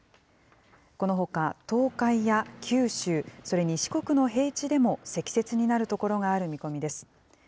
このほか東海や九州、それに四国の平地でも積雪になる所がある見込みです。